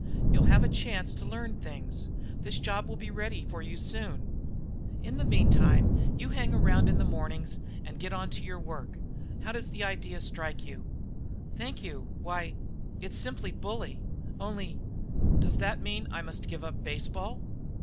You'll have a chance to learn things. This job will be ready for you soon. In the meantime you can hang around in the mornings and get on to your work. How does the idea strike you?" "Thank you why it's simply bully. Only does that mean I must give up baseball?"